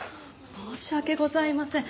申し訳ございません。